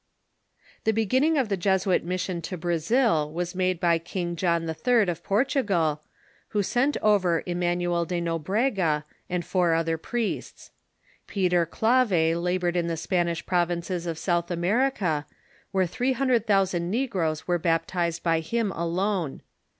The beginning of the Jesuit mission to Brazil was made by King John III. of Portugal, who sent over Emanuel de No ,... brega and four other priests. Peter Clave labored The Americas .,^^.,. coi* m the Spanish provnices or South America,, where three hundred thousand negroes were baptized by him alone.